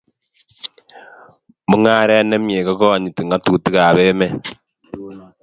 Mungaret ne mie kokonyiti ngatutikab emet